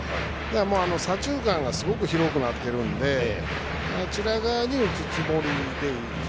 左中間がすごく広くなっているのであちら側に打つつもりでいいです。